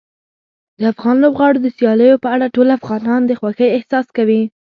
د افغان لوبغاړو د سیالیو په اړه ټول افغانان د خوښۍ احساس کوي.